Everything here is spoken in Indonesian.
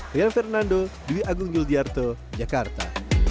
rian fernando dewi agung yul di yarto jakarta